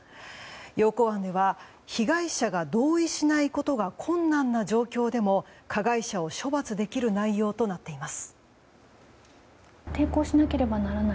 要綱案では、被害者が同意しないことが困難な状況でも加害者を処罰できる内容となっています。